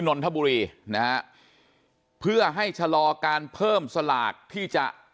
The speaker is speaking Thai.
นนทบุรีนะฮะเพื่อให้ชะลอการเพิ่มสลากที่จะ